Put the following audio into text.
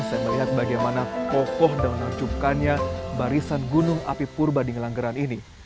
saya melihat bagaimana kokoh dan hancurkannya barisan gunung api purba di ngelanggeran ini